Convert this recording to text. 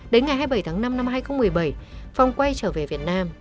đến ngày hai mươi bảy tháng năm năm hai nghìn một mươi bảy phong quay trở về việt nam